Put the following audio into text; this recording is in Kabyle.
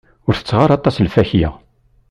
Ur tetteɣ ara aṭas lfakya.